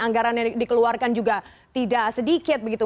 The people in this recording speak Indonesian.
anggaran yang dikeluarkan juga tidak sedikit begitu